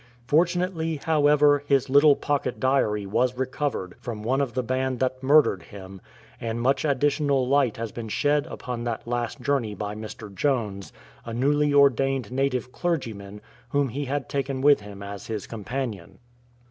Fortunately, however, his little pocket diary was recovered from one of the band that murdered him, and much additional light has been shed upon that last journey by Mr. Jones, a newly ordained native clerygyman whom he had taken with him as his companion.